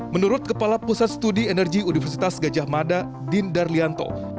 menurut kepala pusat studi energi universitas gajah mada din darlianto